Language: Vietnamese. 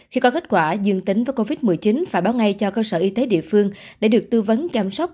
khi có kết quả dương tính với covid một mươi chín phải báo ngay cho cơ sở y tế địa phương để được tư vấn chăm sóc